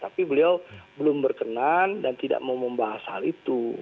tapi beliau belum berkenan dan tidak mau membahas hal itu